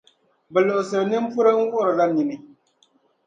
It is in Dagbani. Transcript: Bɛ luɣisiri nimpuri n-wuhirila nini.